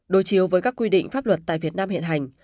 đối chiếu với các quy định pháp luật tại việt nam hiện hành